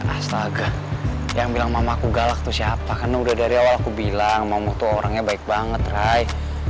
astaga yang bilang mamaku galak tuh siapa karena udah dari awal aku bilang mamu tuh orangnya baik banget re